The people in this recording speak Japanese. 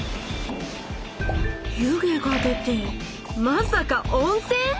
湯気が出てまさか温せん⁉